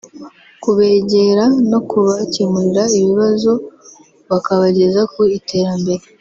kubegera no kubakemurira ibibazo bakabageza ku iterambere